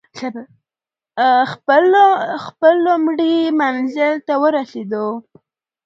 خپل لومړي منزل ته ورسېدو.